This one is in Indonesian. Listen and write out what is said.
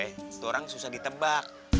itu orang susah ditebak